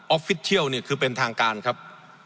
ฟิศเทียลเนี่ยคือเป็นทางการครับ